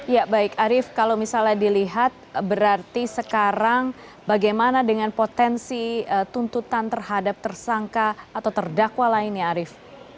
ya baik arief kalau misalnya dilihat berarti sekarang bagaimana dengan potensi tuntutan terhadap tersangka atau terdakwa lainnya arief